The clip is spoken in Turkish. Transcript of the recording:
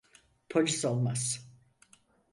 Polis olmaz.